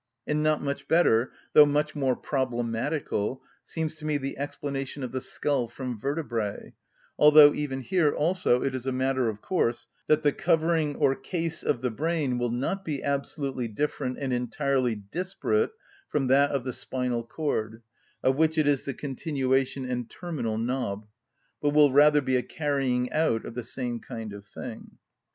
And not much better, though much more problematical, seems to me the explanation of the skull from vertebræ, although even here also it is a matter of course that the covering or case of the brain will not be absolutely different and entirely disparate from that of the spinal cord, of which it is the continuation and terminal knob, but will rather be a carrying out of the same kind of thing.